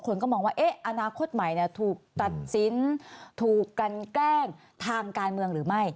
คนก็มองว่าอนาคตใหม่ถูกตัดสินถูกกันแกล้งทางการเมืองหรือไม่